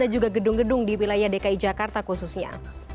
dan juga gedung gedung di wilayah dki jakarta khususnya